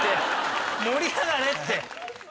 盛り上がれって！